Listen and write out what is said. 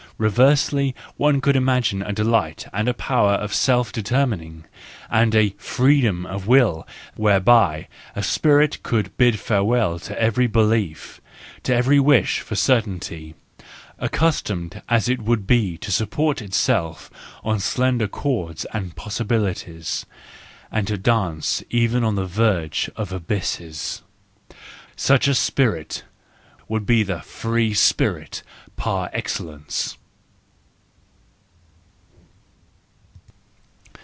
Reversely, one could imagine a delight and a power of self determining, and a freedom of will whereby a spirit could bid farewell to every belief, to every wish for certainty, accustomed as it would be to support itself on slender cords and possibilities, and to dance even on the verge of abysses. Such a spirit would be the free spirit par excellence.